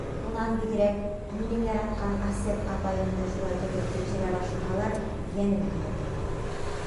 Унан бигерәк, минең яратҡан Асет апайымды шулай тотоп тикшерә башлаһалар, йәнем көйә торғайны.